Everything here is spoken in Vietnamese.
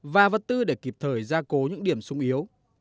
và vật tư để kịp thời ra cố những điểm sung yếu